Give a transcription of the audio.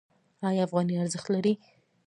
آیا افغانۍ ارزښت لري؟